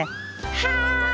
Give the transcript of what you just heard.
はい！